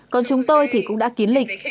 còn chúng tôi thì cũng đã kiến lịch